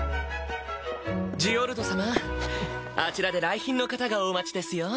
ジオルド様あちらで来賓の方がお待ちですよ。